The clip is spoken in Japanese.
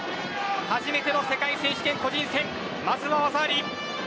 初めての世界選手権、個人戦まずは技あり。